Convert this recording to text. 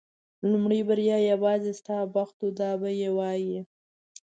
لومړۍ بریا یوازې ستا بخت و دا به یې وایي.